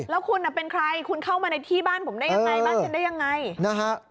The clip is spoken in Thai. แล้วคุณเป็นใครคุณเข้ามาในที่บ้านผมได้ยังไงบ้านฉันได้ยังไงนะฮะ